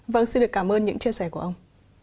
vâng xin được cảm ơn những chia sẻ của ông